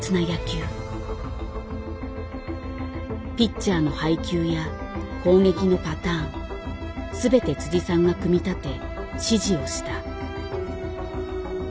ピッチャーの配球や攻撃のパターン全てさんが組み立て指示をした。